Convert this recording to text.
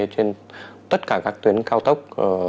trên tất cả các tuyến cao tốc